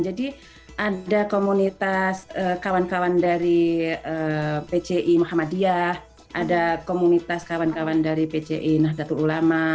jadi ada komunitas kawan kawan dari pci muhammadiyah ada komunitas kawan kawan dari pci nahdlatul ulama